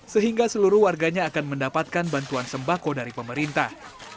sehingga seluruh warganya akan mendapatkan bantuan sembako dari pemerintah